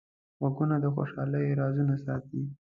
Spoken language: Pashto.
غوږونه د خوشحالۍ رازونه ساتي